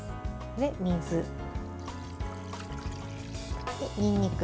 水、にんにく。